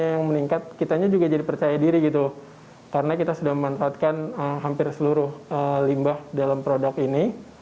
kemudian dari segi percaya diri kita juga mempercayai diri gitu karena kita sudah memanfaatkan hampir seluruh limbah dalam produk ini